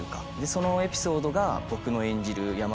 そのエピソードが僕の演じる山姥